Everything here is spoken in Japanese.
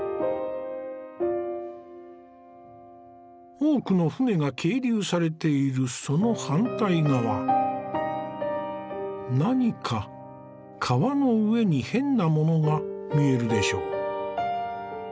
多くの舟が係留されているその反対側何か川の上に変なものが見えるでしょ。